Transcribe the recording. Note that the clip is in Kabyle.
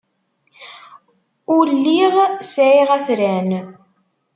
Ur lliɣ sɛiɣ afran.